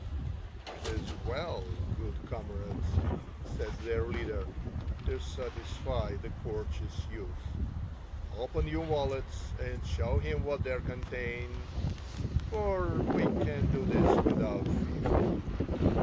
"It is well, good comrades," said their leader, "to satisfy the courteous youth. Open your wallets and show him what they contain, for we can do this without fear."